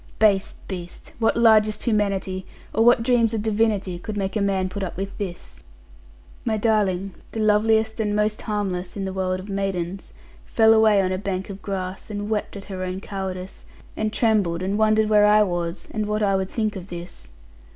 Base beast! what largest humanity, or what dreams of divinity, could make a man put up with this? My darling (the loveliest, and most harmless, in the world of maidens), fell away on a bank of grass, and wept at her own cowardice; and trembled, and wondered where I was; and what I would think of this.